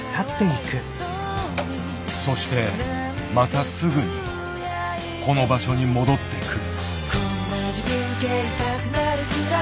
そしてまたすぐにこの場所に戻ってくる。